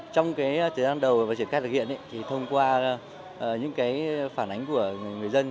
trong thời gian đầu và trường cách thực hiện thì thông qua những phản ánh của người dân